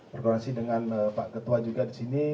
berkoordinasi dengan pak ketua juga di sini